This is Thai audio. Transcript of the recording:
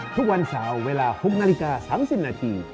ทุกวันเสาร์เวลา๖นาฬิกา๓๐นาที